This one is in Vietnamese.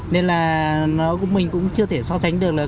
nên là mình cũng chưa thể so sánh được